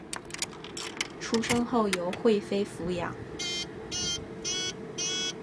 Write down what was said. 出生后由惠妃抚养。